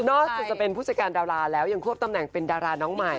อกจากจะเป็นผู้จัดการดาราแล้วยังควบตำแหน่งเป็นดาราน้องใหม่